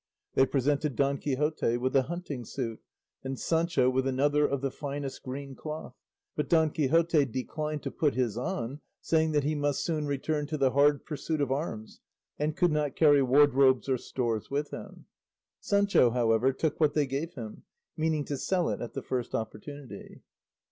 They presented Don Quixote with a hunting suit, and Sancho with another of the finest green cloth; but Don Quixote declined to put his on, saying that he must soon return to the hard pursuit of arms, and could not carry wardrobes or stores with him. Sancho, however, took what they gave him, meaning to sell it at the first opportunity.